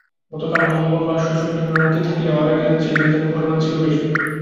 গতকাল মঙ্গলবার সূচক নিম্নমুখী থাকলেও আগের দিনের চেয়ে লেনদেনের পরিমাণ ছিল বেশি।